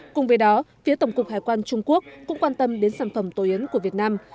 cùng với đó phía tổng cục hải quan trung quốc cũng quan tâm đến sản phẩm tổ yến của việt nam